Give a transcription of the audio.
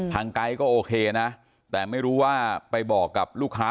ไก๊ก็โอเคนะแต่ไม่รู้ว่าไปบอกกับลูกค้า